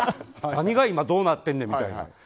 何が今どうなってるねんみたいな。